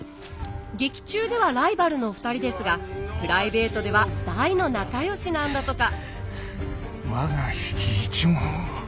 劇中ではライバルのお二人ですがプライベートでは大の仲よしなんだとか我が比企一門を。